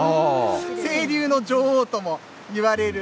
清流の女王ともいわれる、